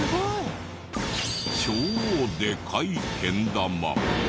超でかいけん玉。